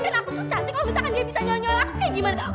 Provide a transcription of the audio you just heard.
kalau misalkan dia bisa nyol nyol aku kayak gimana